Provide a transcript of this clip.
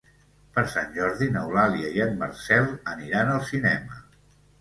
Per Sant Jordi n'Eulàlia i en Marcel aniran al cinema.